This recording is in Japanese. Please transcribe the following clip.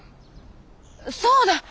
そうだ！